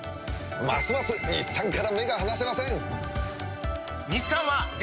ますます日産から目が離せません！